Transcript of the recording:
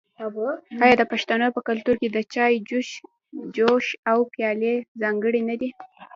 آیا د پښتنو په کلتور کې د چای جوش او پیالې ځانګړي نه دي؟